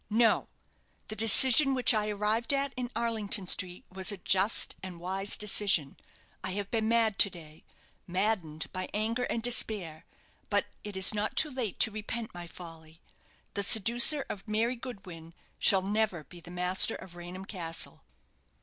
"No; the decision which I arrived at in Arlington Street was a just and wise decision. I have been mad to day maddened by anger and despair; but it is not too late to repent my folly. The seducer of Mary Goodwin shall never be the master of Raynham Castle."